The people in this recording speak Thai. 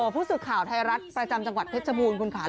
พูดสุดข่าวไทยรัฐประจำจังหวัดเทพจบูรคุณขาล